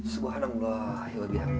subhanallah ya rabbi amin